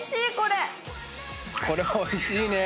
これおいしいね。